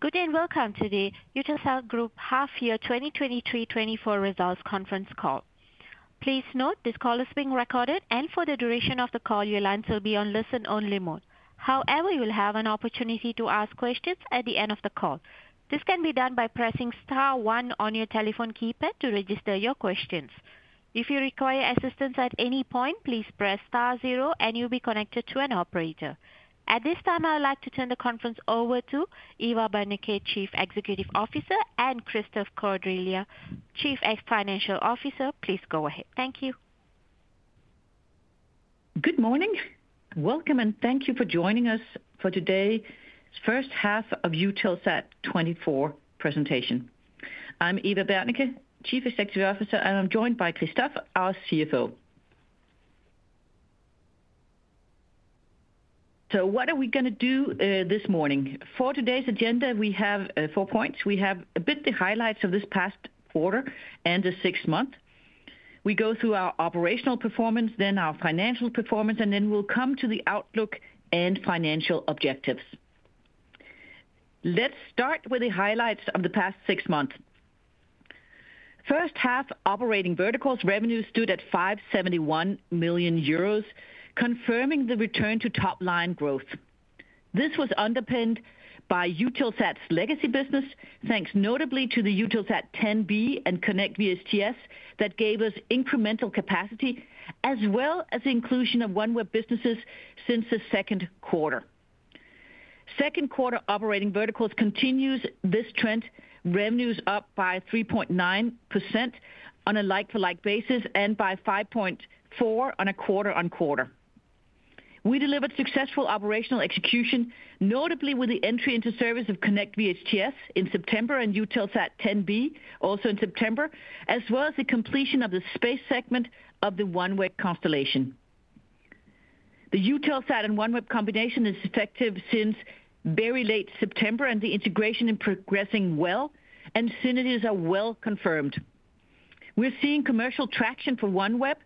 Good day and welcome to the Eutelsat Group half year 2023-2024 results conference call. Please note, this call is being recorded and for the duration of the call, your lines will be on listen-only mode. However, you will have an opportunity to ask questions at the end of the call. This can be done by pressing star one on your telephone keypad to register your questions. If you require assistance at any point, please press star zero and you'll be connected to an operator. At this time, I would like to turn the conference over to Eva Berneke, Chief Executive Officer, and Christophe Caudrelier, Chief Financial Officer. Please go ahead. Thank you. Good morning. Welcome, and thank you for joining us for today, first half of Eutelsat 2024 presentation. I'm Eva Berneke, Chief Executive Officer, and I'm joined by Christophe, our CFO. So what are we gonna do, this morning? For today's agenda, we have four points. We have a bit the highlights of this past quarter and the sixth month. We go through our operational performance, then our financial performance, and then we'll come to the outlook and financial objectives. Let's start with the highlights of the past six months. First half, operating verticals revenue stood at 571 million euros, confirming the return to top-line growth. This was underpinned by Eutelsat's legacy business, thanks notably to the Eutelsat 10B and KONNECT VHTS, that gave us incremental capacity, as well as the inclusion of OneWeb businesses since the second quarter. Second quarter operating verticals continues this trend, revenues up by 3.9% on a like-for-like basis and by 5.4% quarter-on-quarter. We delivered successful operational execution, notably with the entry into service of KONNECT VHTS in September and Eutelsat 10B, also in September, as well as the completion of the space segment of the OneWeb constellation. The Eutelsat and OneWeb combination is effective since very late September, and the integration is progressing well and synergies are well confirmed. We're seeing commercial traction for OneWeb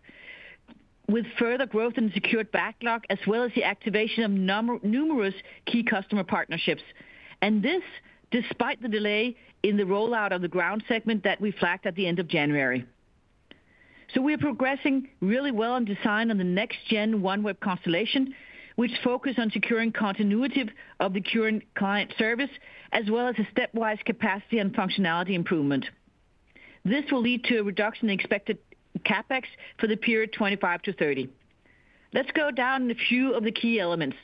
with further growth in secured backlog, as well as the activation of numerous key customer partnerships, and this despite the delay in the rollout of the ground segment that we flagged at the end of January. So we're progressing really well on design on the next gen OneWeb constellation, which focus on securing continuity of the current client service, as well as a stepwise capacity and functionality improvement. This will lead to a reduction in expected CapEx for the period 2025-2030. Let's go down a few of the key elements.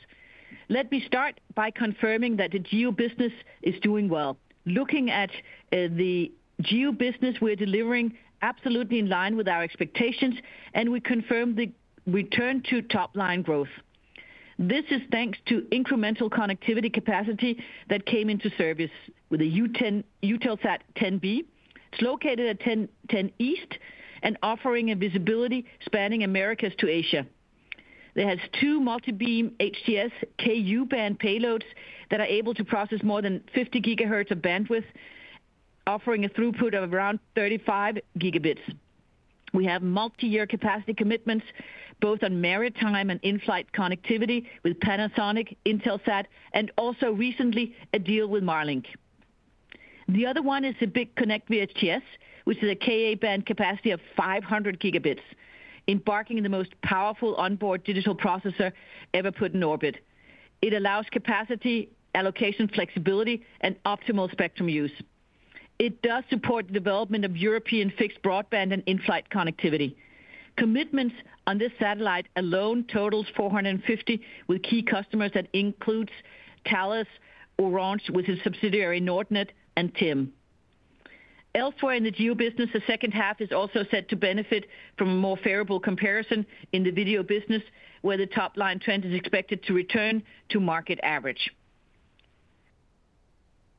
Let me start by confirming that the GEO business is doing well. Looking at the GEO business, we're delivering absolutely in line with our expectations, and we confirm the return to top-line growth. This is thanks to incremental connectivity capacity that came into service with the Eutelsat 10B. It's located at 10° East and offering a visibility spanning Americas to Asia. It has two multi-beam HTS Ku-band payloads that are able to process more than 50 GHz of bandwidth, offering a throughput of around 35 gigabits. We have multi-year capacity commitments, both on maritime and in-flight connectivity with Panasonic, Intelsat and also recently a deal with Marlink. The other one is the big KONNECT VHTS, which is a Ka-band capacity of 500 gigabits, embarking the most powerful onboard digital processor ever put in orbit. It allows capacity, allocation, flexibility and optimal spectrum use. It does support the development of European fixed broadband and in-flight connectivity. Commitments on this satellite alone totals 450 million with key customers. That includes Thales, Orange, with its subsidiary, Nordnet and TIM. Elsewhere in the GEO business, the second half is also set to benefit from a more favorable comparison in the video business, where the top-line trend is expected to return to market average.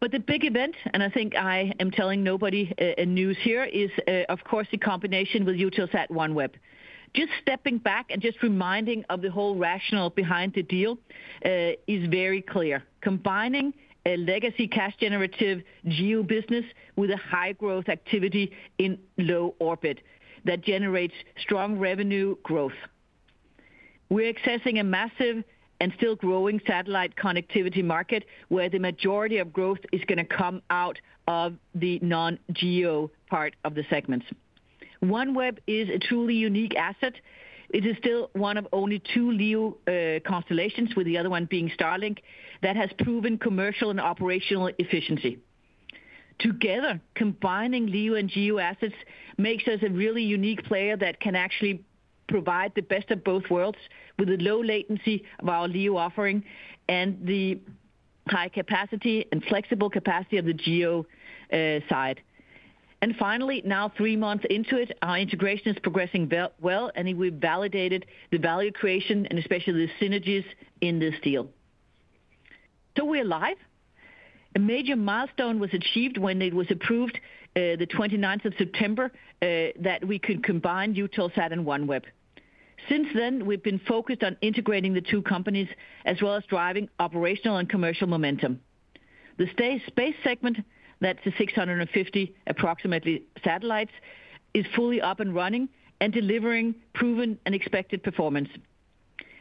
But the big event, and I think I am telling nobody, news here is, of course, the combination with Eutelsat OneWeb. Just stepping back and just reminding of the whole rationale behind the deal is very clear. Combining a legacy cash generative GEO business with a high growth activity in low orbit that generates strong revenue growth. We're accessing a massive and still growing satellite connectivity market, where the majority of growth is gonna come out of the non-GEO part of the segments. OneWeb is a truly unique asset. It is still one of only two LEO constellations, with the other one being Starlink, that has proven commercial and operational efficiency. Together, combining LEO and GEO assets makes us a really unique player that can actually provide the best of both worlds, with a low latency of our LEO offering and the high capacity and flexible capacity of the GEO side. Finally, now, three months into it, our integration is progressing well, and we validated the value creation and especially the synergies in this deal. So we're live? A major milestone was achieved when it was approved, the twenty-ninth of September, that we could combine Eutelsat and OneWeb. Since then, we've been focused on integrating the two companies, as well as driving operational and commercial momentum. The space segment, that's approximately 650 satellites, is fully up and running and delivering proven and expected performance.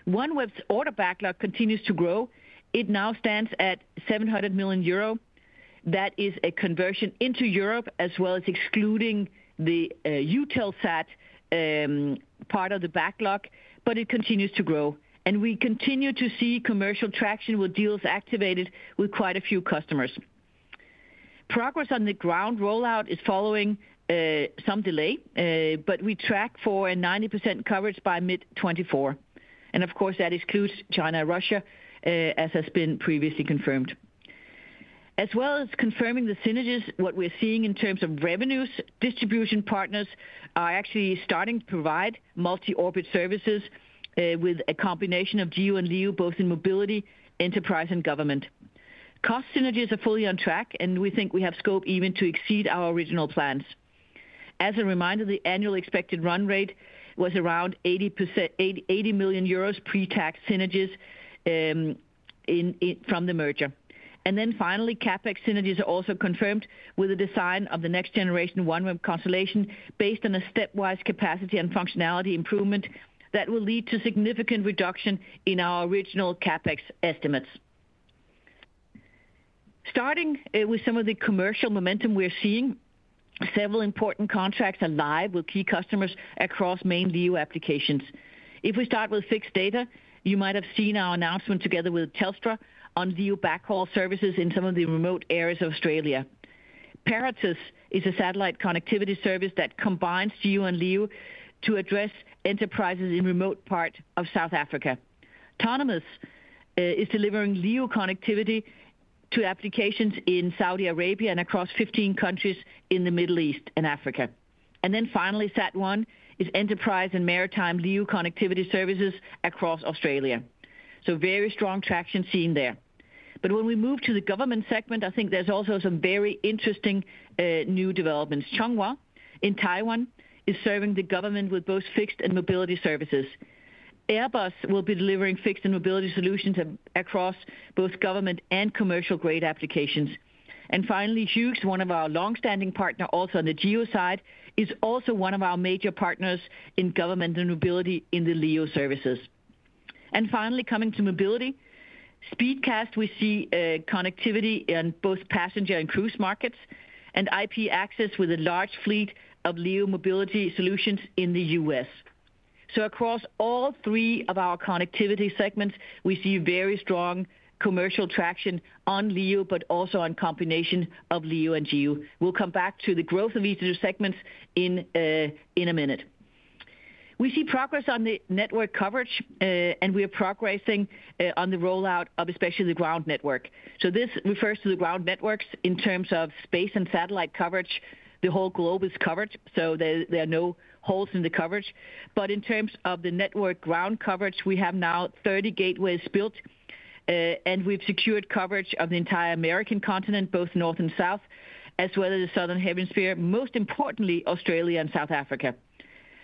OneWeb's order backlog continues to grow. It now stands at 700 million euro. That is a conversion into euros, as well as excluding the Eutelsat part of the backlog, but it continues to grow. And we continue to see commercial traction with deals activated with quite a few customers. Progress on the ground rollout is following some delay, but we track for 90% coverage by mid-2024. And of course, that excludes China, Russia, as has been previously confirmed. As well as confirming the synergies, what we're seeing in terms of revenues, distribution partners are actually starting to provide multi-orbit services with a combination of GEO and LEO, both in mobility, enterprise and government. Cost synergies are fully on track, and we think we have scope even to exceed our original plans. As a reminder, the annual expected run rate was around 80%—80, 80 million euros pre-tax synergies from the merger. And then finally, CapEx synergies are also confirmed with the design of the next generation OneWeb constellation, based on a stepwise capacity and functionality improvement that will lead to significant reduction in our original CapEx estimates. Starting with some of the commercial momentum we're seeing, several important contracts are live with key customers across main LEO applications. If we start with fixed data, you might have seen our announcement together with Telstra on LEO backhaul services in some of the remote areas of Australia. Paratus is a satellite connectivity service that combines GEO and LEO to address enterprises in remote parts of South Africa. Tonomus is delivering LEO connectivity to applications in Saudi Arabia and across 15 countries in the Middle East and Africa. And then finally, Sat One is enterprise and maritime LEO connectivity services across Australia. So very strong traction seen there. But when we move to the government segment, I think there's also some very interesting new developments. Chunghwa in Taiwan is serving the government with both fixed and mobility services. Airbus will be delivering fixed and mobility solutions across both government and commercial-grade applications. And finally, Hughes, one of our long-standing partner, also on the GEO side, is also one of our major partners in government and mobility in the LEO services. And finally, coming to mobility. Speedcast, we see, connectivity in both passenger and cruise markets, and IP Access with a large fleet of LEO mobility solutions in the U.S. So across all three of our connectivity segments, we see very strong commercial traction on LEO, but also on combination of LEO and GEO. We'll come back to the growth of each of the segments in a minute. We see progress on the network coverage, and we are progressing on the rollout of especially the ground network. So this refers to the ground networks in terms of space and satellite coverage. The whole globe is covered, so there, there are no holes in the coverage. But in terms of the network ground coverage, we have now 30 gateways built, and we've secured coverage of the entire American continent, both north and south, as well as the Southern Hemisphere, most importantly, Australia and South Africa.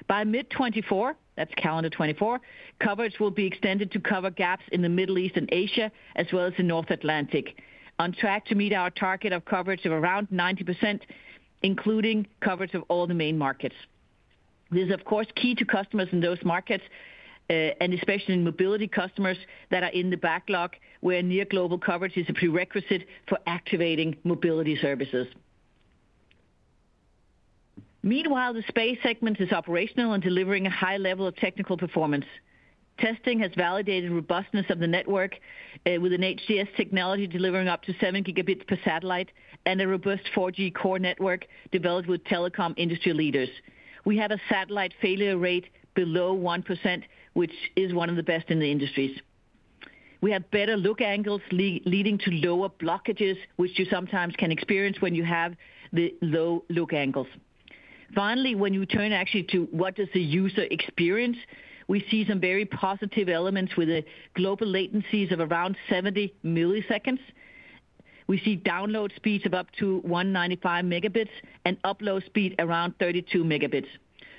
By mid-2024, that's calendar 2024, coverage will be extended to cover gaps in the Middle East and Asia, as well as the North Atlantic. On track to meet our target of coverage of around 90%, including coverage of all the main markets. This is, of course, key to customers in those markets, and especially in mobility customers that are in the backlog, where near global coverage is a prerequisite for activating mobility services. Meanwhile, the space segment is operational and delivering a high level of technical performance. Testing has validated robustness of the network with an HTS technology delivering up to seven Gbps per satellite and a robust 4G core network developed with telecom industry leaders. We have a satellite failure rate below 1%, which is one of the best in the industries. We have better look angles leading to lower blockages, which you sometimes can experience when you have the low look angles. Finally, when you turn actually to what does the user experience, we see some very positive elements with the global latencies of around 70 milliseconds. We see download speeds of up to 195 Mbps and upload speed around 32 Mbps.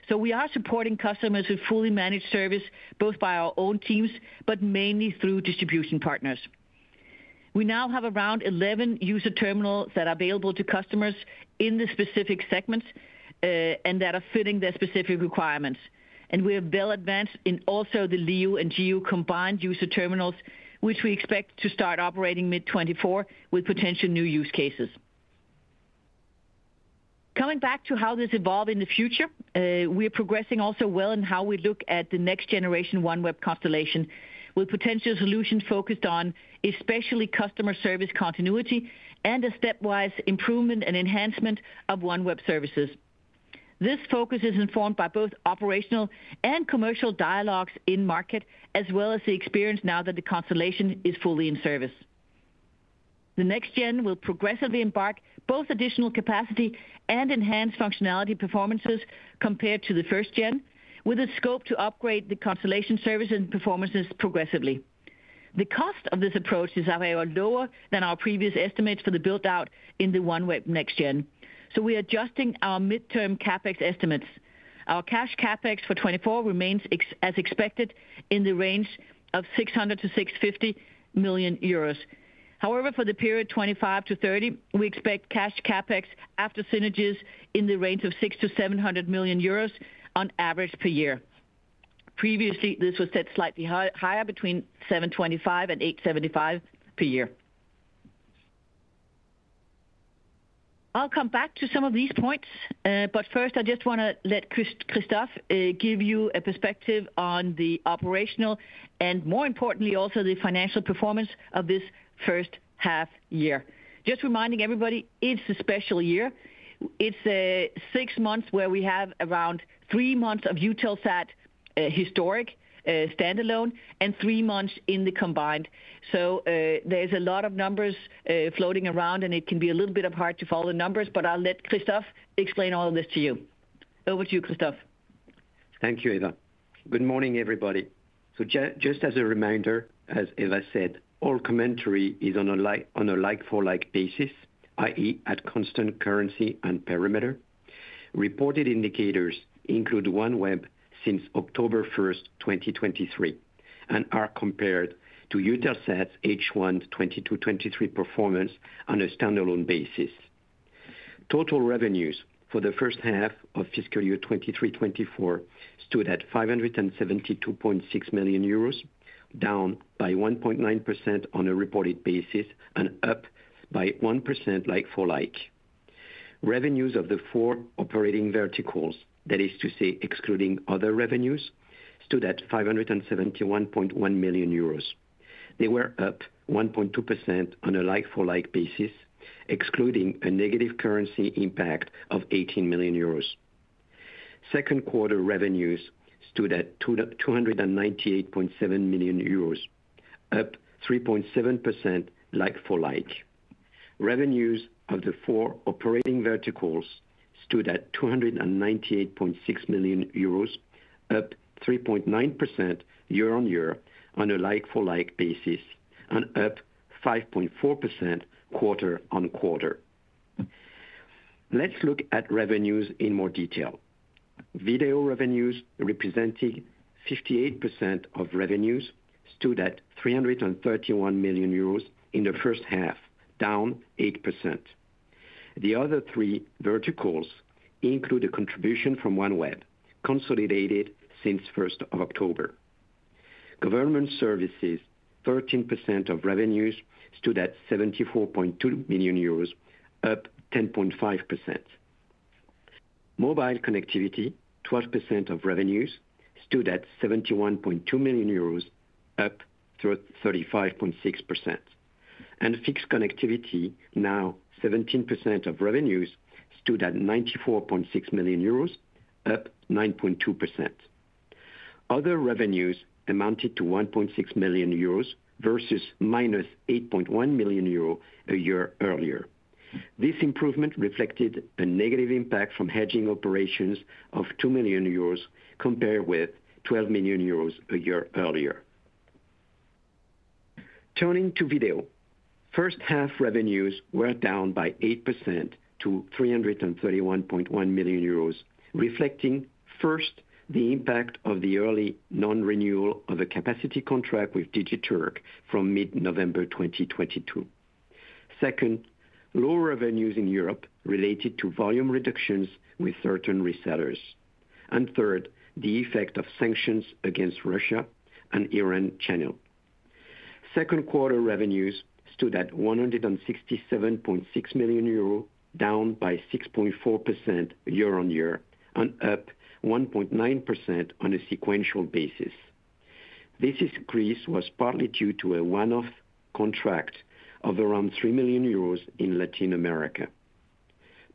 So we are supporting customers with fully managed service, both by our own teams, but mainly through distribution partners. We now have around 11 user terminals that are available to customers in the specific segments, and that are fitting their specific requirements. And we are well advanced in also the LEO and GEO combined user terminals, which we expect to start operating mid-2024 with potential new use cases. Coming back to how this evolve in the future, we are progressing also well in how we look at the next generation OneWeb constellation, with potential solutions focused on especially customer service continuity and a stepwise improvement and enhancement of OneWeb services. This focus is informed by both operational and commercial dialogues in market, as well as the experience now that the constellation is fully in service. The next gen will progressively embark both additional capacity and enhanced functionality performances compared to the first gen, with a scope to upgrade the constellation service and performances progressively. The cost of this approach is however lower than our previous estimates for the build-out in the OneWeb next gen. So we are adjusting our mid-term CapEx estimates. Our cash CapEx for 2024 remains exactly as expected in the range of 600 million-650 million euros. However, for the period 2025-2030, we expect cash CapEx after synergies in the range of 600 million-700 million euros on average per year. Previously, this was set slightly higher, between 725 million and 875 million per year. I'll come back to some of these points, but first, I just want to let Christophe give you a perspective on the operational and, more importantly, also the financial performance of this first half year. Just reminding everybody, it's a special year. It's six months where we have around three months of Eutelsat historic standalone, and three months in the combined. So, there's a lot of numbers floating around, and it can be a little bit hard to follow the numbers, but I'll let Christophe explain all of this to you. Over to you, Christophe. Thank you, Eva. Good morning, everybody. So just as a reminder, as Eva said, all commentary is on a like, on a like-for-like basis, i.e., at constant currency and perimeter. Reported indicators include OneWeb since October first, 2023, and are compared to Eutelsat's H1 2022-2023 performance on a standalone basis. Total revenues for the first half of fiscal year 2023-2024 stood at 572.6 million euros, down by 1.9% on a reported basis and up by 1% like-for-like. Revenues of the four operating verticals, that is to say, excluding other revenues, stood at 571.1 million euros. They were up 1.2% on a like-for-like basis, excluding a negative currency impact of 18 million euros. Second quarter revenues stood at 298.7 million euros, up 3.7% like-for-like. Revenues of the four operating verticals stood at 298.6 million euros, up 3.9% year-on-year on a like-for-like basis and up 5.4% quarter-on-quarter. Let's look at revenues in more detail. Video revenues, representing 58% of revenues, stood at 331 million euros in the first half, down 8%. The other three verticals include a contribution from OneWeb, consolidated since first of October. Government services, 13% of revenues, stood at 74.2 million euros, up 10.5%. Mobile connectivity, 12% of revenues, stood at 71.2 million euros, up through 35.6%. Fixed connectivity, now 17% of revenues, stood at 94.6 million euros, up 9.2%. Other revenues amounted to 1.6 million euros versus -8.1 million euro a year earlier. This improvement reflected a negative impact from hedging operations of 2 million euros, compared with 12 million euros a year earlier. Turning to video, first half revenues were down by 8% to 331.1 million euros, reflecting first, the impact of the early non-renewal of a capacity contract with Digiturk from mid-November 2022. Second, lower revenues in Europe related to volume reductions with certain resellers. And third, the effect of sanctions against Russia and Iran channel. Second-quarter revenues stood at 167.6 million euro, down by 6.4% year-on-year and up 1.9% on a sequential basis. This increase was partly due to a one-off contract of around 3 million euros in Latin America.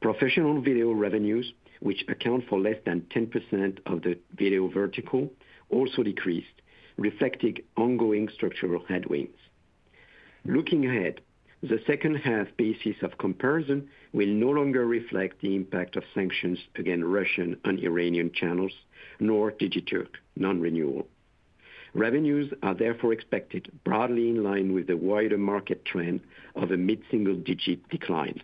Professional video revenues, which account for less than 10% of the video vertical, also decreased, reflecting ongoing structural headwinds. Looking ahead, the second half basis of comparison will no longer reflect the impact of sanctions against Russian and Iranian channels, nor Digiturk non-renewal. Revenues are therefore expected broadly in line with the wider market trend of a mid-single-digit decline.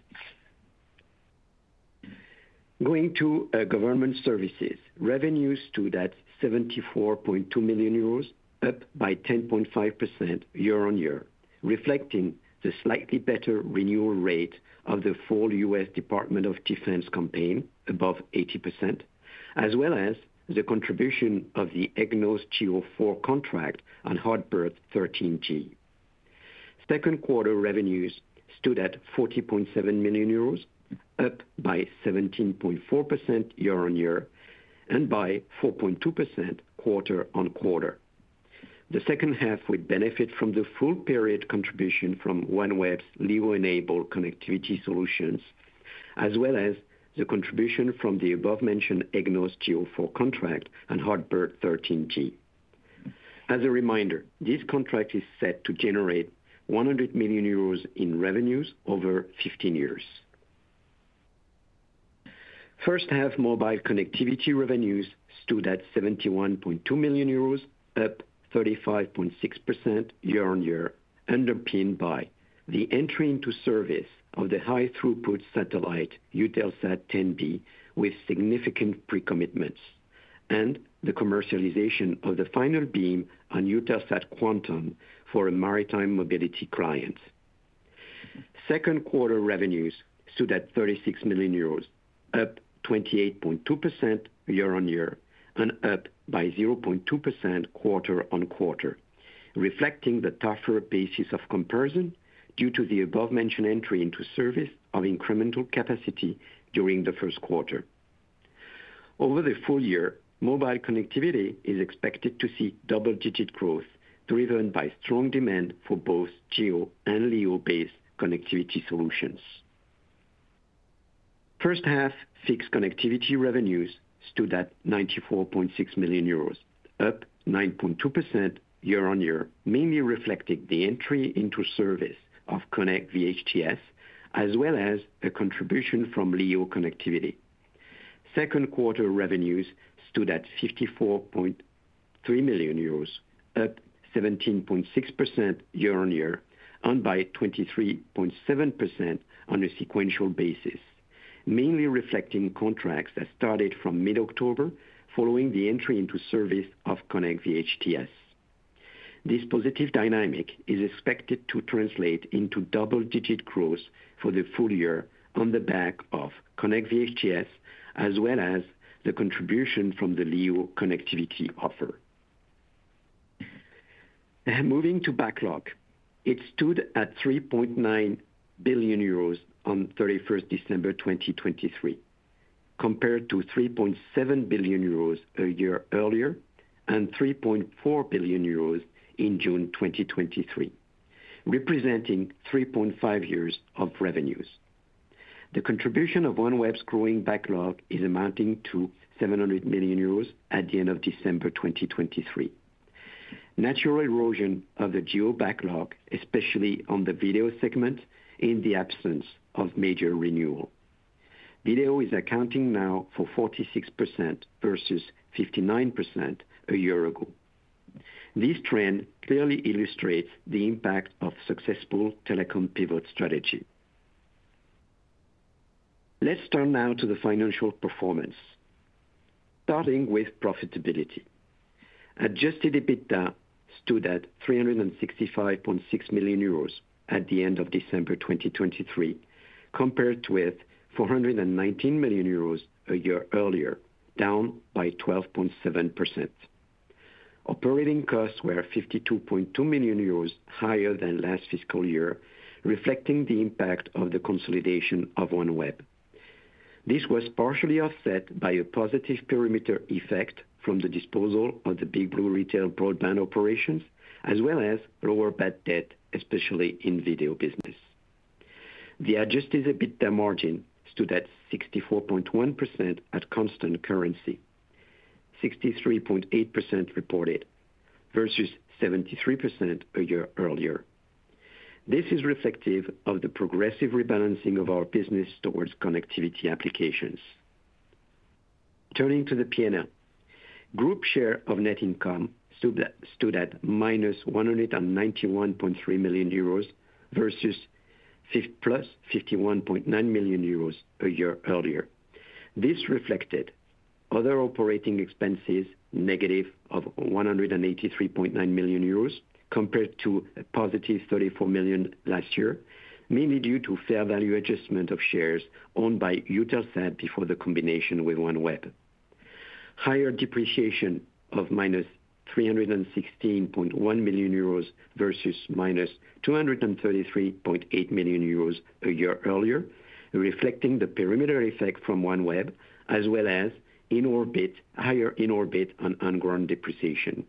Going to government services. Revenues stood at 74.2 million euros, up by 10.5% year-on-year, reflecting the slightly better renewal rate of the full U.S. Department of Defense campaign, above 80%, as well as the contribution of the EGNOS GE0-4 contract on Hotbird 13G. Second quarter revenues stood at 40.7 million euros, up by 17.4% year-on-year and by 4.2% quarter-on-quarter. The second half will benefit from the full period contribution from OneWeb's LEO-enabled connectivity solutions, as well as the contribution from the above-mentioned EGNOS GE0-4 contract on Hotbird 13G. As a reminder, this contract is set to generate 100 million euros in revenues over 15 years. First half mobile connectivity revenues-... stood at 71.2 million euros, up 35.6% year-on-year, underpinned by the entry into service of the high-throughput satellite, Eutelsat 10B, with significant pre-commitments, and the commercialization of the final beam on Eutelsat Quantum for a maritime mobility client. Second quarter revenues stood at 36 million euros, up 28.2% year-on-year and up by 0.2% quarter-on-quarter, reflecting the tougher basis of comparison due to the above-mentioned entry into service of incremental capacity during the first quarter. Over the full year, mobile connectivity is expected to see double-digit growth, driven by strong demand for both GEO and LEO-based connectivity solutions. First half fixed connectivity revenues stood at 94.6 million euros, up 9.2% year-on-year, mainly reflecting the entry into service of KONNECT VHTS, as well as a contribution from LEO connectivity. Second quarter revenues stood at 54.3 million euros, up 17.6% year-on-year, and by 23.7% on a sequential basis, mainly reflecting contracts that started from mid-October following the entry into service of KONNECT VHTS. This positive dynamic is expected to translate into double-digit growth for the full year on the back of KONNECT VHTS, as well as the contribution from the Leo connectivity offer. Moving to backlog. It stood at 3.9 billion euros on 31 December 2023, compared to 3.7 billion euros a year earlier and 3.4 billion euros in June 2023, representing 3.5 years of revenues. The contribution of OneWeb's growing backlog is amounting to 700 million euros at the end of December 2023. Natural erosion of the geo backlog, especially on the video segment, in the absence of major renewal. Video is accounting now for 46% versus 59% a year ago. This trend clearly illustrates the impact of successful telecom pivot strategy. Let's turn now to the financial performance, starting with profitability. Adjusted EBITDA stood at 365.6 million euros at the end of December 2023, compared with 419 million euros a year earlier, down by 12.7%. Operating costs were 52.2 million euros higher than last fiscal year, reflecting the impact of the consolidation of OneWeb. This was partially offset by a positive perimeter effect from the disposal of the Bigblu Retail broadband operations, as well as lower bad debt, especially in video business. The adjusted EBITDA margin stood at 64.1% at constant currency, 63.8% reported, versus 73% a year earlier. This is reflective of the progressive rebalancing of our business towards connectivity applications. Turning to the P&L. Group share of net income stood at minus 191.3 million euros versus plus 51.9 million euros a year earlier. This reflected other operating expenses, negative of 183.9 million euros, compared to a positive 34 million last year, mainly due to fair value adjustment of shares owned by Eutelsat before the combination with OneWeb. Higher depreciation of -316.1 million euros versus -233.8 million euros a year earlier, reflecting the perimeter effect from OneWeb, as well as in-orbit higher in-orbit ongoing depreciation.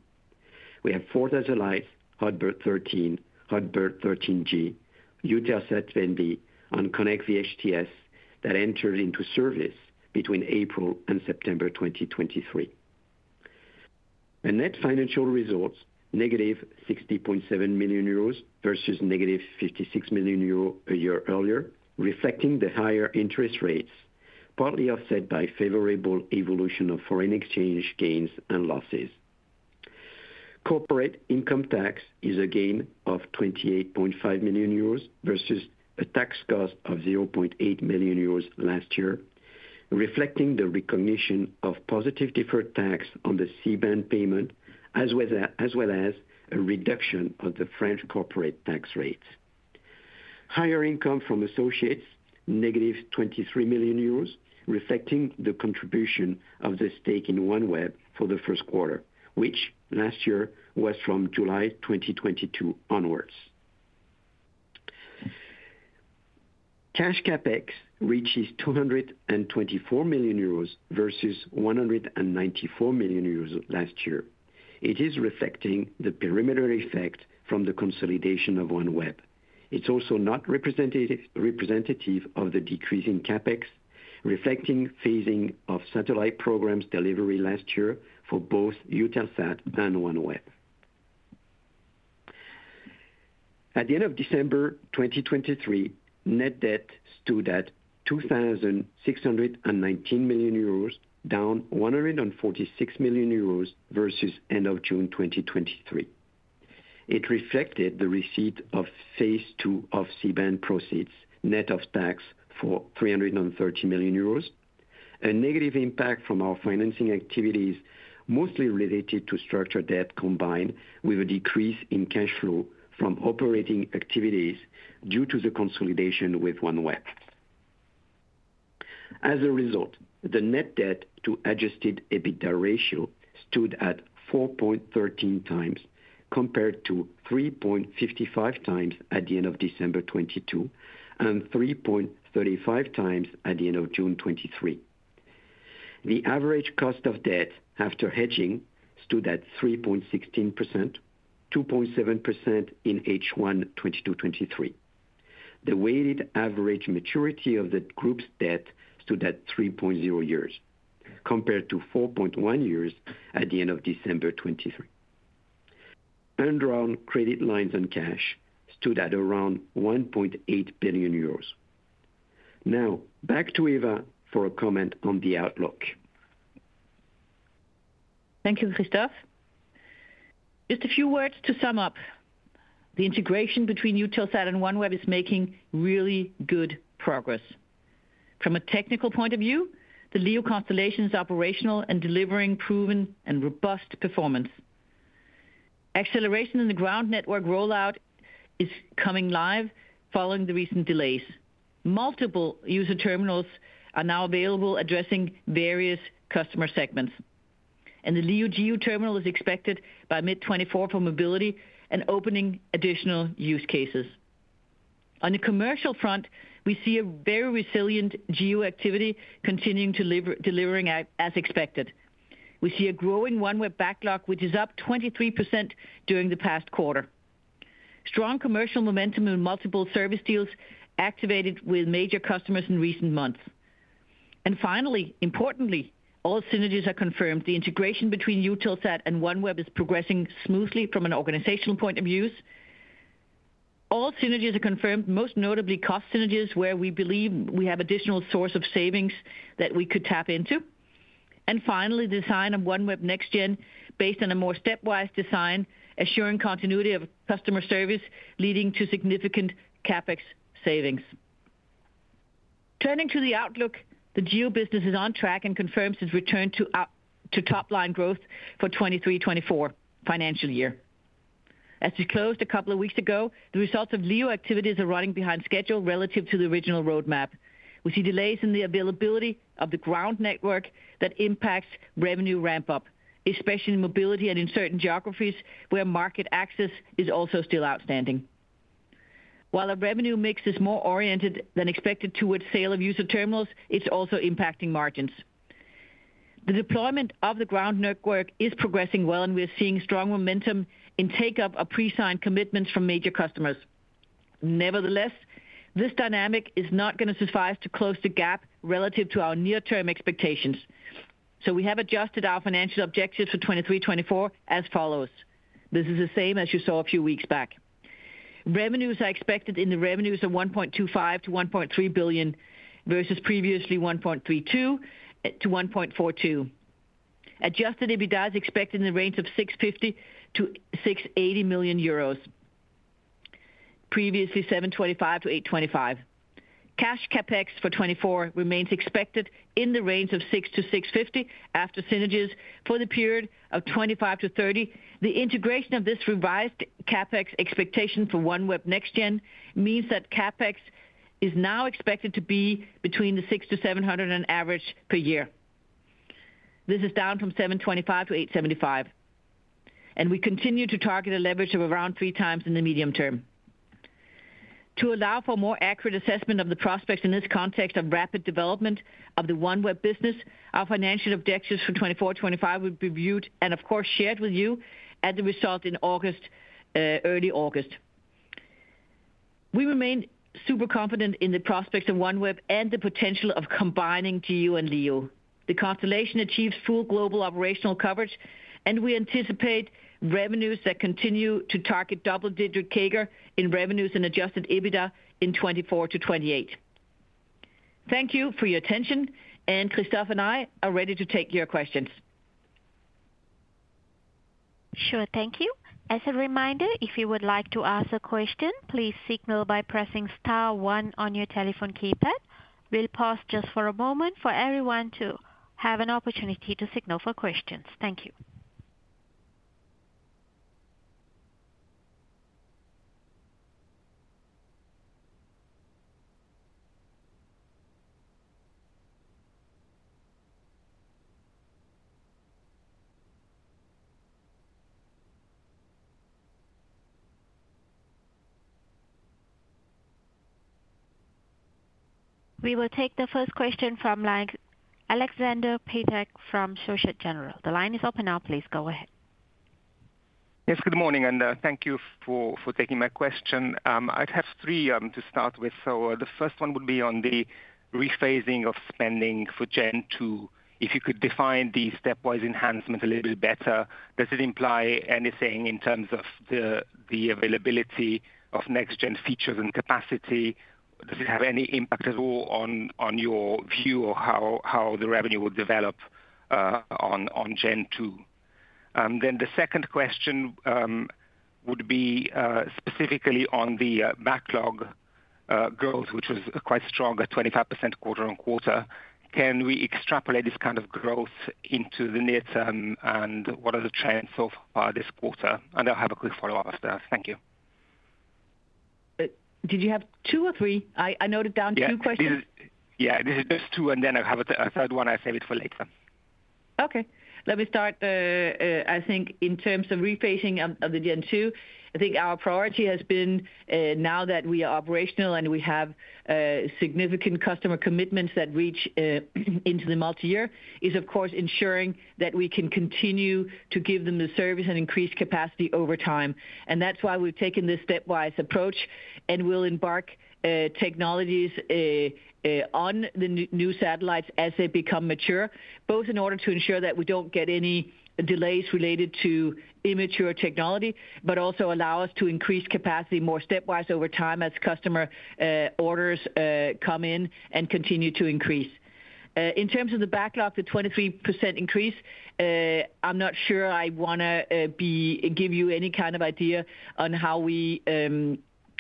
We have four satellites, Hotbird 13F, Hotbird 13G, Eutelsat 10B, and KONNECT VHTS, that entered into service between April and September 2023. The net financial results, -60.7 million euros versus -56 million euros a year earlier, reflecting the higher interest rates, partly offset by favorable evolution of foreign exchange gains and losses. Corporate income tax is a gain of 28.5 million euros versus a tax cost of 0.8 million euros last year, reflecting the recognition of positive deferred tax on the C-band payment, as well as a reduction of the French corporate tax rates. Higher income from associates, negative 23 million euros, reflecting the contribution of the stake in OneWeb for the first quarter, which last year was from July 2022 onwards. Cash CapEx reaches 224 million euros versus 194 million euros last year. It is reflecting the perimeter effect from the consolidation of OneWeb. It's also not representative of the decrease in CapEx, reflecting phasing of satellite programs delivery last year for both Eutelsat and OneWeb. At the end of December 2023, net debt stood at 2,619 million euros, down 146 million euros versus end of June 2023. It reflected the receipt of phase two of C-band proceeds, net of tax for 330 million euros. A negative impact from our financing activities, mostly related to structured debt, combined with a decrease in cash flow from operating activities due to the consolidation with OneWeb. As a result, the net debt to adjusted EBITDA ratio stood at 4.13 times, compared to 3.55 times at the end of December 2022 and 3.35 times at the end of June 2023. The average cost of debt after hedging stood at 3.16%, 2.7% in H1 2022-2023. The weighted average maturity of the group's debt stood at 3.0 years, compared to 4.1 years at the end of December 2023. Undrawn credit lines and cash stood at around 1.8 billion euros. Now back to Eva for a comment on the outlook. Thank you, Christophe. Just a few words to sum up. The integration between Eutelsat and OneWeb is making really good progress. From a technical point of view, the LEO constellation is operational and delivering proven and robust performance. Acceleration in the ground network rollout is coming live following the recent delays. Multiple user terminals are now available, addressing various customer segments, and the LEO GEO terminal is expected by mid-2024 for mobility and opening additional use cases. On the commercial front, we see a very resilient GEO activity continuing delivering as expected. We see a growing OneWeb backlog, which is up 23% during the past quarter. Strong commercial momentum in multiple service deals activated with major customers in recent months. And finally, importantly, all synergies are confirmed. The integration between Eutelsat and OneWeb is progressing smoothly from an organizational point of view. All synergies are confirmed, most notably cost synergies, where we believe we have additional source of savings that we could tap into. Finally, the design of OneWeb Next Gen, based on a more stepwise design, assuring continuity of customer service, leading to significant CapEx savings. Turning to the outlook, the GEO business is on track and confirms its return to up, to top line growth for 2023-2024 financial year. As we closed a couple of weeks ago, the results of LEO activities are running behind schedule relative to the original roadmap. We see delays in the availability of the ground network that impacts revenue ramp-up, especially in mobility and in certain geographies where market access is also still outstanding. While our revenue mix is more oriented than expected towards sale of user terminals, it's also impacting margins. The deployment of the ground network is progressing well, and we are seeing strong momentum in take-up of pre-signed commitments from major customers. Nevertheless, this dynamic is not going to suffice to close the gap relative to our near-term expectations. So we have adjusted our financial objectives for 2023, 2024 as follows. This is the same as you saw a few weeks back. Revenues are expected in the revenues of 1.25 billion-1.3 billion, versus previously 1.32 billion-1.42 billion. Adjusted EBITDA is expected in the range of 650 million-680 million euros, previously 725 million-825 million. Cash CapEx for 2024 remains expected in the range of 600 million-650 million after synergies for the period of 2025-2030. The integration of this revised CapEx expectation for OneWeb Next Gen means that CapEx is now expected to be between the 600-700 on average per year. This is down from 725-875, and we continue to target a leverage of around 3x in the medium term. To allow for more accurate assessment of the prospects in this context of rapid development of the OneWeb business, our financial objectives for 2024, 2025 will be reviewed and of course, shared with you as a result in August, early August. We remain super confident in the prospects of OneWeb and the potential of combining GEO and LEO. The constellation achieves full global operational coverage, and we anticipate revenues that continue to target double-digit CAGR in revenues and adjusted EBITDA in 2024-2028. Thank you for your attention, and Christophe and I are ready to take your questions. Sure. Thank you. As a reminder, if you would like to ask a question, please signal by pressing star one on your telephone keypad. We'll pause just for a moment for everyone to have an opportunity to signal for questions. Thank you. We will take the first question from Alexander Patak from SocGen. The line is open now. Please go ahead. Yes, good morning, and thank you for taking my question. I'd have three to start with. So the first one would be on the rephasing of spending for Gen 2. If you could define the stepwise enhancement a little bit better, does it imply anything in terms of the availability of next-gen features and capacity? Does it have any impact at all on your view of how the revenue will develop on Gen2? Then the second question would be specifically on the backlog growth, which was quite strong, at 25% quarter-on-quarter. Can we extrapolate this kind of growth into the near term, and what are the trends so far this quarter? And I'll have a quick follow-up after. Thank you. Did you have two or three? I noted down two questions. Yeah. Yeah, just two, and then I have a third one. I save it for later. Okay. Let me start. I think in terms of rephasing of the Gen2, I think our priority has been, now that we are operational and we have significant customer commitments that reach into the multi-year, is of course ensuring that we can continue to give them the service and increase capacity over time. And that's why we've taken this stepwise approach, and we'll embark technologies on the new satellites as they become mature, both in order to ensure that we don't get any delays related to immature technology, but also allow us to increase capacity more stepwise over time as customer orders come in and continue to increase. In terms of the backlog, the 23% increase, I'm not sure I wanna give you any kind of idea on how we,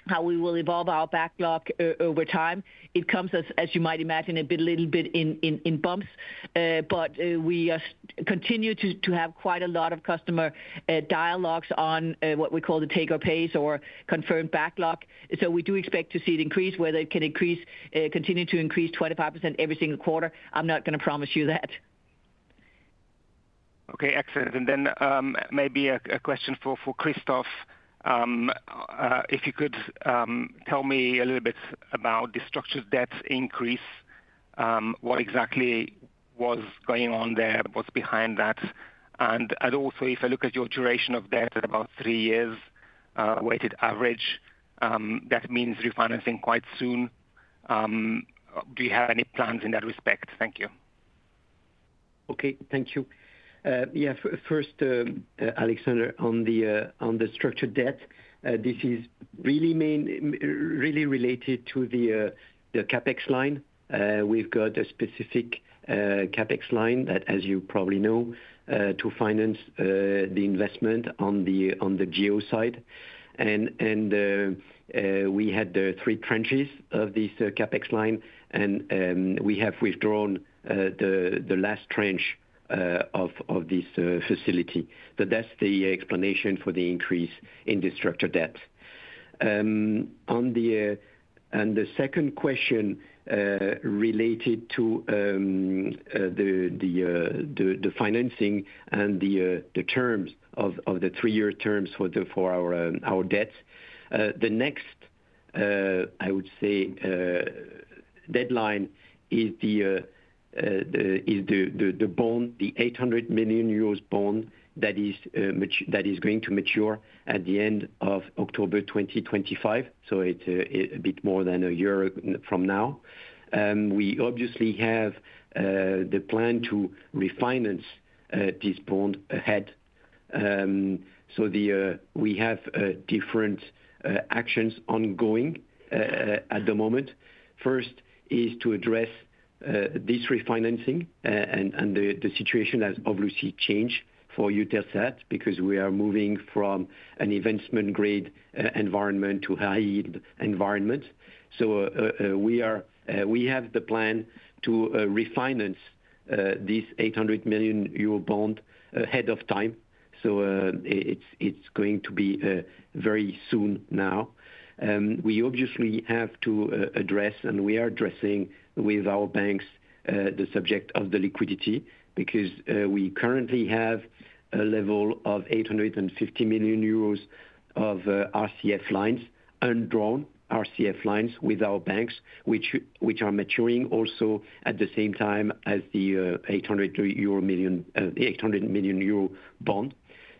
how we will evolve our backlog over time. It comes as, as you might imagine, a bit, little bit in, in, in bumps. But we continue to have quite a lot of customer dialogues on what we call the take-or-pay or confirmed backlog. So we do expect to see it increase. Whether it can increase, continue to increase 25% every single quarter, I'm not gonna promise you that. Okay, excellent. And then, maybe a question for Christophe. If you could tell me a little bit about the structured debt increase, what exactly was going on there? What's behind that? And also, if I look at your duration of debt at about three years, weighted average, that means refinancing quite soon. Do you have any plans in that respect? Thank you. Okay, thank you. Yeah, first, Alexander, on the structured debt, this is really mainly related to the CapEx line. We've got a specific CapEx line that, as you probably know, to finance the investment on the GEO side. And we had the three tranches of this CapEx line, and we have withdrawn the last tranche of this facility. So that's the explanation for the increase in the structured debt. On the second question related to the financing and the terms of the three-year terms for our debt. The next deadline is the bond, the 800 million euros bond that is going to mature at the end of October 2025. So it's a bit more than a year from now. We obviously have the plan to refinance this bond ahead. So we have different actions ongoing at the moment. First is to address this refinancing, and the situation has obviously changed for Eutelsat because we are moving from an investment-grade environment to high-yield environment. So we have the plan to refinance this 800 million euro bond ahead of time. So it's going to be very soon now. We obviously have to address, and we are addressing with our banks, the subject of the liquidity, because we currently have a level of 850 million euros of RCF lines, undrawn RCF lines with our banks, which are maturing also at the same time as the 800 million euro bond.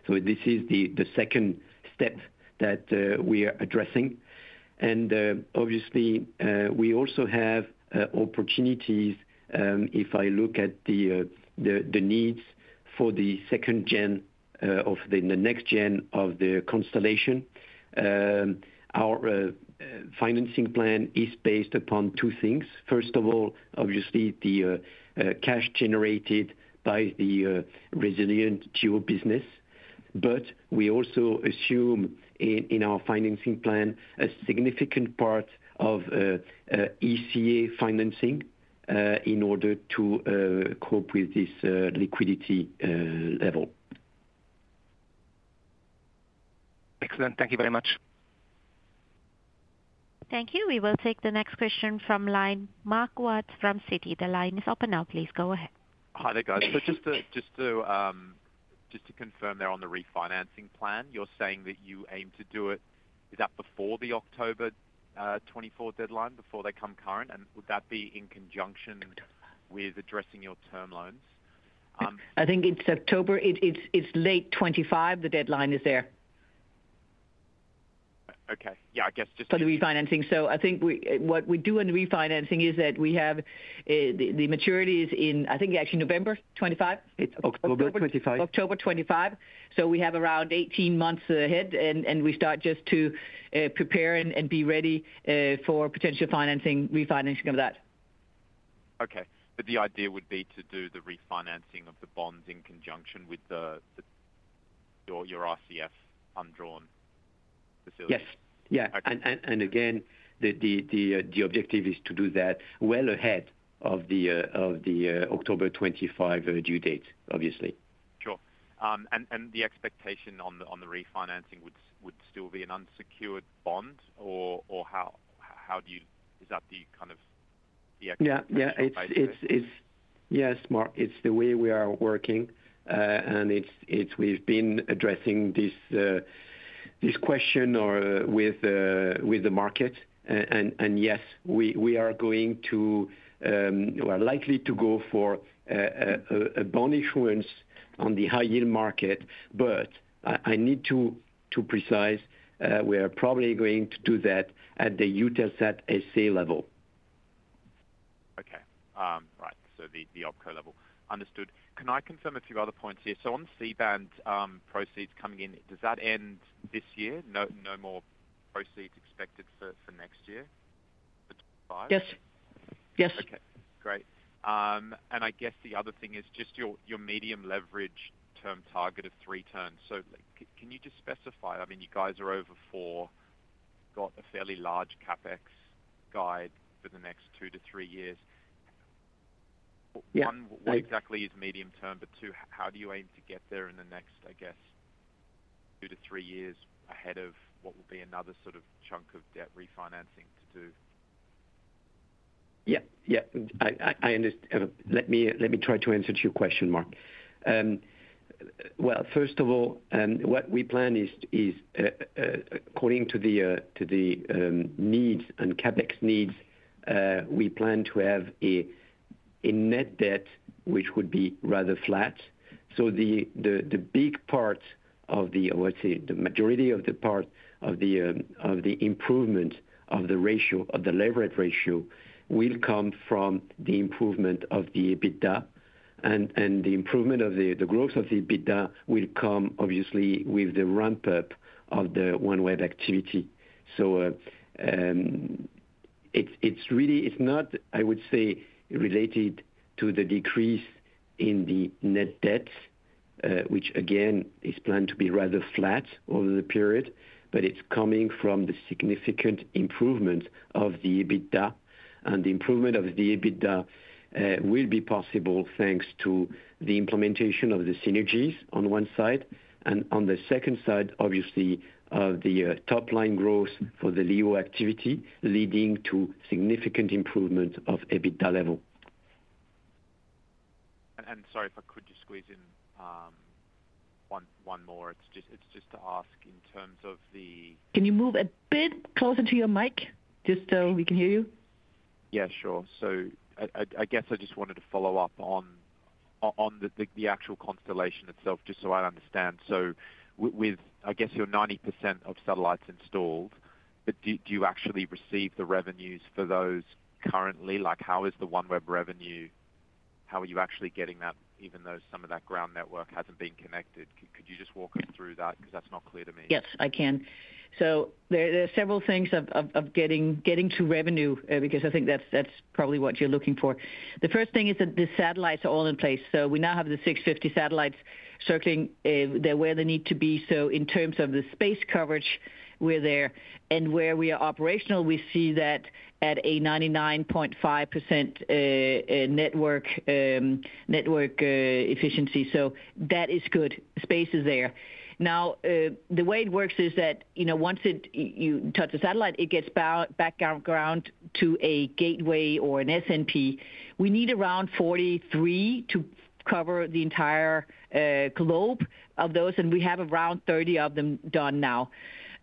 So this is the second step that we are addressing. And obviously, we also have opportunities, if I look at the needs for the second gen of the next gen of the constellation. Our financing plan is based upon two things. First of all, obviously, the cash generated by the resilient GEO business, but we also assume in our financing plan a significant part of ECA financing in order to cope with this liquidity level. Excellent. Thank you very much. Thank you. We will take the next question from the line, Mark Watts from Citi. The line is open now. Please go ahead. Hi there, guys. So just to confirm there on the refinancing plan, you're saying that you aim to do it, is that before the October 2024 deadline, before they come current? And would that be in conjunction with addressing your term loans? I think it's October. It's late 2025, the deadline is there. Okay. Yeah, I guess just- For the refinancing. So I think what we do in refinancing is that we have the maturity is in, I think, actually November 2025? It's October 25. October 25. So we have around 18 months ahead, and we start just to prepare and be ready for potential financing, refinancing of that.... Okay, but the idea would be to do the refinancing of the bonds in conjunction with your RCF undrawn facility? Yes. Yeah. Okay. Again, the objective is to do that well ahead of the October 25 due date, obviously. Sure. And the expectation on the refinancing would still be an unsecured bond, or how do you? Is that the kind of the expectation? Yes, Mark, it's the way we are working, and it's, we've been addressing this question to with the market. And yes, we are going to, we are likely to go for a bond issuance on the high yield market. But I need to precise, we are probably going to do that at the Eutelsat SA level. Okay. Right. So the opco level. Understood. Can I confirm a few other points here? So on C-band, proceeds coming in, does that end this year? No, no more proceeds expected for next year, for 2025? Yes. Yes. Okay, great. I guess the other thing is just your medium-term leverage target of 3 turns. So can you just specify, I mean, you guys are over 4, got a fairly large CapEx guide for the next 2-3 years. Yeah. One, what exactly is medium term? But two, how do you aim to get there in the next, I guess, 2-3 years ahead of what will be another sort of chunk of debt refinancing to do? Yeah. Yeah. Let me try to answer your question, Mark. Well, first of all, what we plan is according to the needs and CapEx needs, we plan to have a net debt, which would be rather flat. So the big part of the, or let's say, the majority of the part of the improvement of the ratio, of the leverage ratio, will come from the improvement of the EBITDA. And the improvement of the growth of the EBITDA will come obviously with the ramp-up of the OneWeb activity. It's really not, I would say, related to the decrease in the net debt, which again is planned to be rather flat over the period, but it's coming from the significant improvement of the EBITDA. The improvement of the EBITDA will be possible thanks to the implementation of the synergies on one side, and on the second side, obviously, the top-line growth for the LEO activity, leading to significant improvement of EBITDA level. Sorry, if I could just squeeze in one more. It's just to ask in terms of the- Can you move a bit closer to your mic, just so we can hear you? Yeah, sure. So I guess I just wanted to follow up on the actual constellation itself, just so I understand. So with, I guess, your 90% of satellites installed, but do you actually receive the revenues for those currently? Like, how is the OneWeb revenue, how are you actually getting that, even though some of that ground network hasn't been connected? Could you just walk me through that? Because that's not clear to me. Yes, I can. So there are several things of getting to revenue, because I think that's probably what you're looking for. The first thing is that the satellites are all in place. So we now have the 650 satellites circling, they're where they need to be. So in terms of the space coverage, we're there. And where we are operational, we see that at a 99.5% network efficiency. So that is good. Space is there. Now, the way it works is that, you know, once it, you touch a satellite, it gets bounced back down to ground to a gateway or an SNP. We need around 43 to cover the entire globe of those, and we have around 30 of them done now.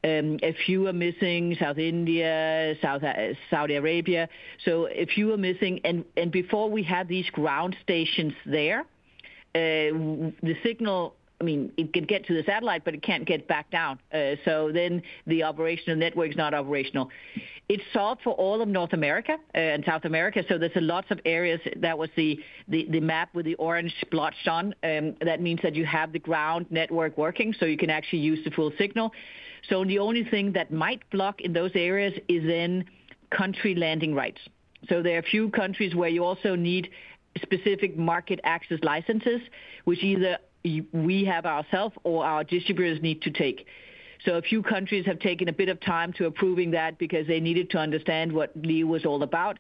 A few are missing South India, South, Saudi Arabia. So a few are missing, and before we had these ground stations there, the signal, I mean, it could get to the satellite, but it can't get back down. So then the operational network is not operational. It's solved for all of North America and South America, so there's lots of areas that was the map with the orange splotched on, that means that you have the ground network working, so you can actually use the full signal. So the only thing that might block in those areas is then country landing rights. So there are a few countries where you also need specific market access licenses, which either we have ourselves or our distributors need to take. So a few countries have taken a bit of time to approving that because they needed to understand what LEO was all about.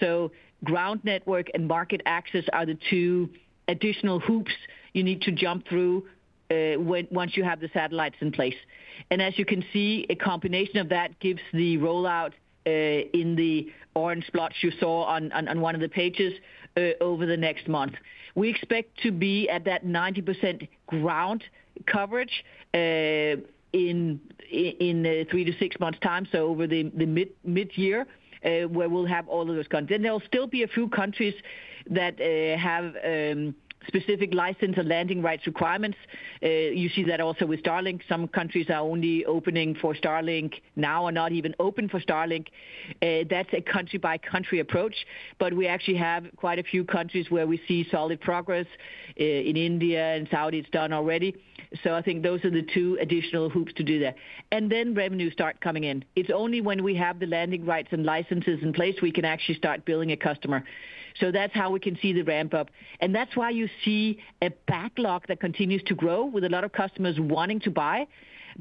So ground network and market access are the two additional hoops you need to jump through, when once you have the satellites in place. And as you can see, a combination of that gives the rollout, in the orange splotch you saw on one of the pages, over the next month. We expect to be at that 90% ground coverage, in 3-6 months time, so over the mid-year, where we'll have all of those countries. Then there will still be a few countries that have specific license and landing rights requirements. You see that also with Starlink. Some countries are only opening for Starlink now, or not even open for Starlink. That's a country-by-country approach, but we actually have quite a few countries where we see solid progress. In India and Saudi, it's done already. So I think those are the two additional hoops to do that. And then revenues start coming in. It's only when we have the landing rights and licenses in place, we can actually start billing a customer. So that's how we can see the ramp-up, and that's why you see a backlog that continues to grow with a lot of customers wanting to buy.